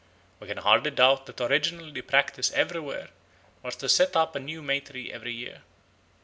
We can hardly doubt that originally the practice everywhere was to set up a new May tree every year.